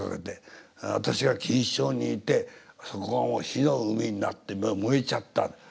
私が錦糸町にいてそこが火の海になって燃えちゃった。